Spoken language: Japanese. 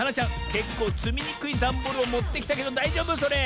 けっこうつみにくいダンボールをもってきたけどだいじょうぶそれ？